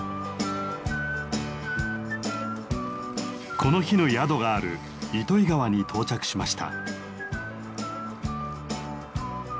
この日の宿がある糸魚川に到着しました。